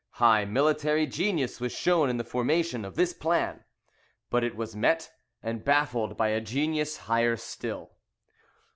High military genius was shown in the formation of this plan, but it was met and baffled by a genius higher still.